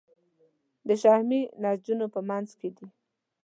د شحمي نسجونو په منځ کې دي.